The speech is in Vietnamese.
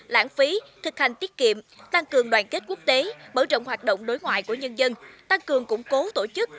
lãng phí thực hành tiết kiệm tăng cường đoàn kết quốc tế bởi rộng hoạt động đối ngoại của nhân dân tăng cường củng cố tổ chức